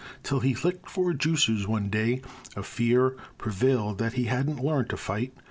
Till he licked four Juicers one day, a fear Prevailed that he hadn't larned to fight.